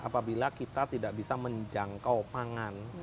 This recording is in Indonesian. apabila kita tidak bisa menjangkau pangan